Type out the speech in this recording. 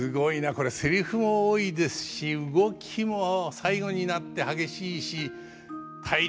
これセリフも多いですし動きも最後になって激しいし体力要りますね。